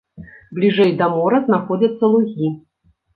Бліжэй да мора знаходзяцца лугі.